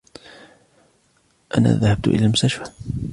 أنا ذهبت إلى المستشفى.